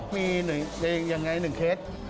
มีอย่างไรหนึ่งเคส